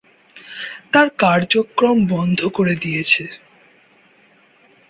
তার কার্যক্রম বন্ধ করে দিয়েছে।